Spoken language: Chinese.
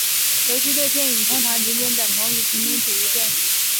游击队电影通常仅仅等同于平民主义电影。